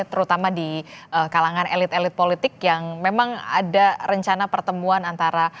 terutama di kalangan elit elit politik yang memang ada rencana pertemuan antara